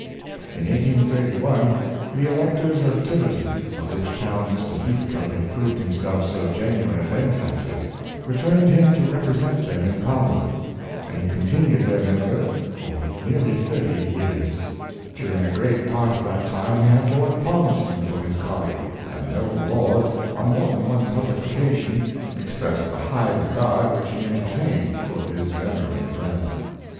In 1 83 1 the electors of Tiverton, of which town Mr. Heathcoat had proved himself so genuine a benefactor^ 222 Heathcoat in Pat'Iiament, returned him to represent them in Parliament, and he continued their member for nearly thirty years. Dur ing a great part of that time he had Lord Palmerston for his colleague, and the noble lord, on more than one public occasion, expressed the high regard which he en tertained for his venerable friend.